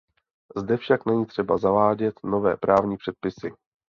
Zde však není třeba zavádět nové právní předpisy.